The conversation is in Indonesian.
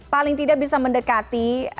paling tidak bisa mendekati